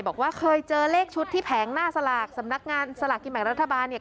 บอกว่าเคยเจอเลขชุดที่แผงหน้าสลากสำนักงานสลากกินแบ่งรัฐบาลเนี่ย